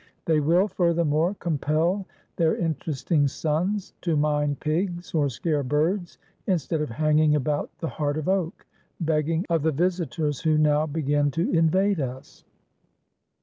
They will, furthermore, compel their interesting sons to mind pigs, or scare birds, instead of hanging about the Heart of Oak, begging of the visitors who now begin to invade us.